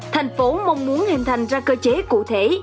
thành phố mong muốn hình thành ra cơ chế cụ thể